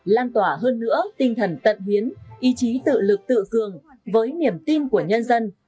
lan tỏa hơn nữa tinh thần tận huyến ý chí tự lực tự cường với niềm tin của nhân dân